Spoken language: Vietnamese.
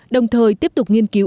đồng thời tiếp tục nghiên cứu